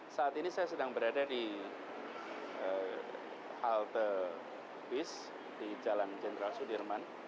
saat ini saya sedang berada di halte bis di jalan jenderal sudirman